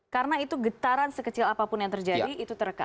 karena itu getaran sekecil apapun yang terjadi itu terekam